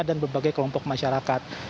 dan berbagai kelompok masyarakat